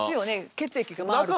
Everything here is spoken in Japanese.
血液が回るから。